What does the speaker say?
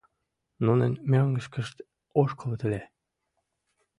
Нунат мӧҥгышкышт ошкылыт ыле.